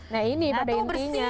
nah ini pada intinya